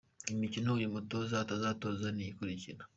Imikino uyu mutoza atazatoza ni iyi ikurikira :.